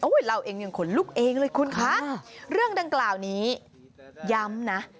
เราเองยังขนลุกเองเลยคุณคะเรื่องดังกล่าวนี้ย้ำนะ